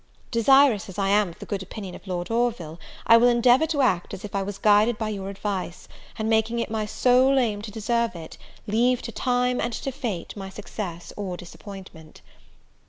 Desirous as I am of the good opinion of Lord Orville, I will endeavour to act as if I was guided by your advice; and, making it my sole aim to deserve it, leave to time and to fate my success or disappointment.